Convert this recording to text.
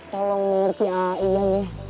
tolong mengerti aai an ya